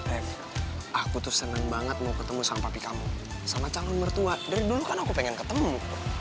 eh aku tuh seneng banget mau ketemu sang papi kamu sama calon mertua dari dulu kan aku pengen ketemu